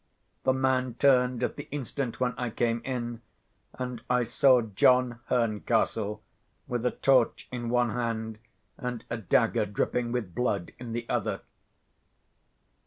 The man turned at the instant when I came in, and I saw John Herncastle, with a torch in one hand, and a dagger dripping with blood in the other.